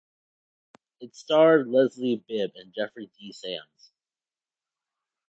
It starred Leslie Bibb and Jeffrey D. Sams.